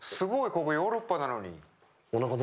ここヨーロッパなのに。